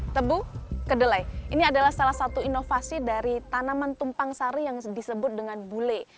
yang disebut dengan bule ya ini tebu dan kedelai ini adalah salah satu inovasi dari tanaman tumpang sari yang disebut dengan bule